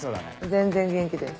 全然元気です。